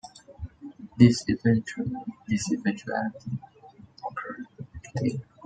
This eventuality occurred a week later.